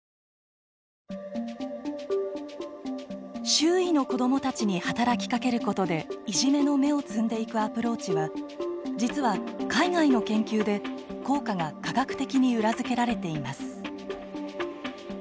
周囲の子どもたちに働きかけることでいじめの芽を摘んでいくアプローチは実は海外の研究で効果が科学的に裏付けられています。